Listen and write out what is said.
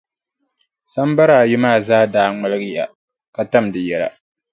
Sambara ayi maa zaa daa ŋmaligiya, ka tam di yɛla.